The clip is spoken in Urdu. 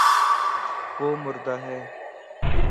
وہ مردا ہے